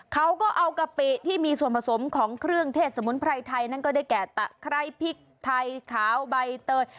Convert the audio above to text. เขาก็เอากะปิที่มีส่วนผสมของเครื่องเทศสมุนไพรไทยนั้นก็ได้แก่ตะไคร้พริกไทยขาวใบเตย